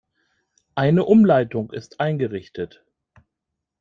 Eine Umleitung ist eingerichtet.